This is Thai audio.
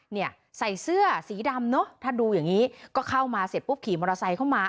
เนี่ยใส่เสื้อสีดำเนอะถ้าดูอย่างนี้ก็เข้ามาเสร็จปุ๊บขี่มอเตอร์ไซค์เข้ามา